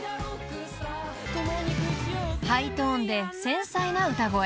［ハイトーンで繊細な歌声］